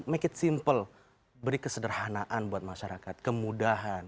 make it simple beri kesederhanaan buat masyarakat kemudahan